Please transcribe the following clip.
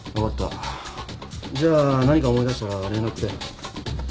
じゃあ何か思い出したら連絡くれ。